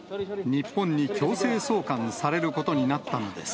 日本に強制送還されることになったのです。